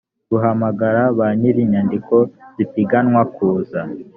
ruhamagara ba nyir inyandiko z ipiganwa kuza